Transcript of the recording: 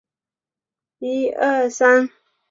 教育训练课程